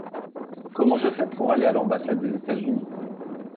Comment je fais pour aller à l’ambassade des États-Unis ?